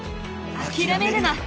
諦めるな！